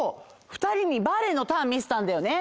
二人にバレエのターン見せたんだよね。